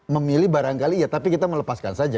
memilih barangkali ya tapi kita melepaskan saja